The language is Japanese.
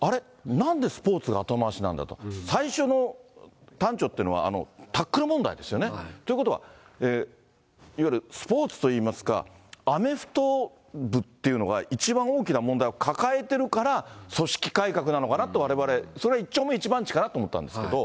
なんでスポーツが後回しなんだと、最初の端緒というのはタックル問題ですよね。ということは、いわゆるスポーツといいますか、アメフト部っていうのが一番大きな問題を抱えてるから、組織改革なのかなって、われわれ、それは一丁目一番地かなと思ったんですけど。